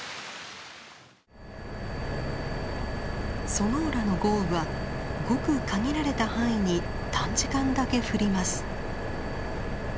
ソノーラの豪雨はごく限られた範囲に短時間だけ降ります。